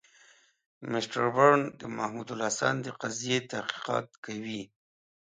مسټر برن د محمودالحسن د قضیې تحقیقات کوي.